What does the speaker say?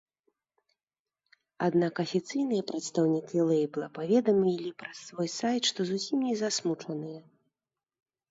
Аднак афіцыйныя прадстаўнікі лэйбла паведамілі праз свой сайт, што зусім не засмучаныя.